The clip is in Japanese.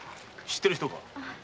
知ってる人か？